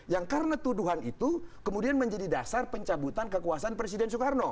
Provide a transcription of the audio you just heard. yang karena tuduhan itu kemudian menjadi dasar pencabutan kekuasaan presiden soekarno